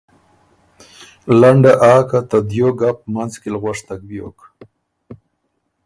لنډه آ که ته دیو ګپ منځ کی ل غؤشتک بیوک